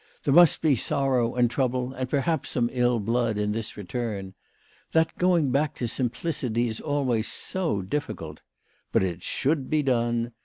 There must he sorrow and trouble, and perhaps some ill blood, in this return. That going back to simplicity is always so difficult ! But it should be done.